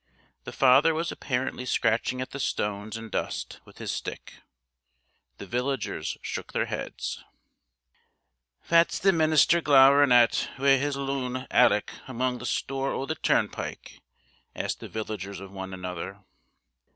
The father was apparently scratching at the stones and dust with his stick. The villagers shook their heads. "Fat's the minister glowerin' at, wi' his loon Alic, among the stoor o' the turnpike?" asked the villagers of one another.